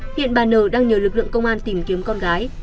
hiện bà nở đang nhờ lực lượng công an tìm kiếm con gái